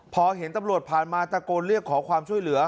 พอเห็นตำรวจผ่านมาตะโกนเรียกขอความช่วยเหลือ